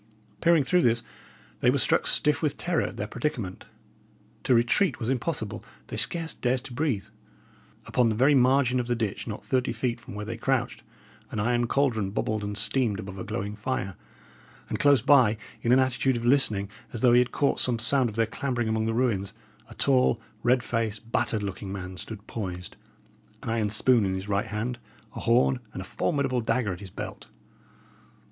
Peering through this, they were struck stiff with terror at their predicament. To retreat was impossible; they scarce dared to breathe. Upon the very margin of the ditch, not thirty feet from where they crouched, an iron caldron bubbled and steamed above a glowing fire; and close by, in an attitude of listening, as though he had caught some sound of their clambering among the ruins, a tall, red faced, battered looking man stood poised, an iron spoon in his right hand, a horn and a formidable dagger at his belt.